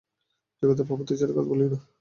জগতের পাপ-অত্যাচারের কথা বলিও না।